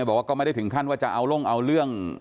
บอกว่าก็ไม่ได้ถึงขั้นว่าจะเอาลงเอาเรื่อง